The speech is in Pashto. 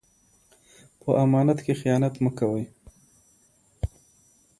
په امانت کې خیانت مه کوئ.